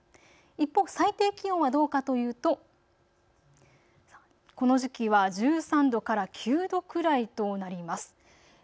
一方、最低気温はどうかというとこの時期は１３度から９度くらいとなります。